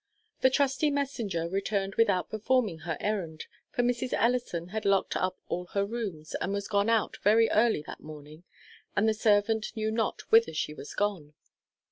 The trusty messenger returned without performing her errand, for Mrs. Ellison had locked up all her rooms, and was gone out very early that morning, and the servant knew not whither she was gone.